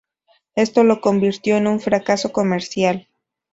Esto lo convirtió en un fracaso comercial.